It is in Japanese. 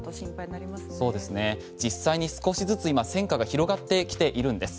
そうですね実際に少しずつ今、戦火が広がってきているんです。